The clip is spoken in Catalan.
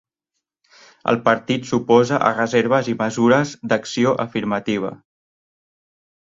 El partit s'oposa a reserves i mesures d'acció afirmativa.